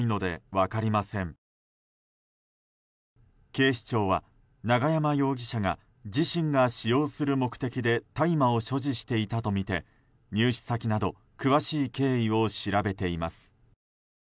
警視庁は、永山容疑者が自身が使用する目的で大麻を所持していたとみて入手先など詳しい経緯を調べています。